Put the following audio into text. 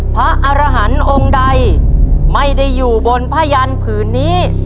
พระอรหันต์องค์ใดไม่ได้อยู่บนผ้ายันผืนนี้